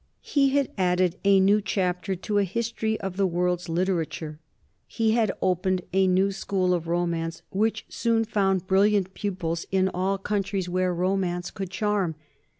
He had added a new chapter to a history of the world's literature. He had opened a new school of romance which soon found brilliant pupils in all countries where romance could charm.